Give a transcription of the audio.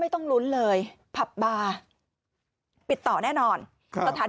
ไม่ต้องลุ้นเลยผับบาปิดต่อแน่นอนตรฐาน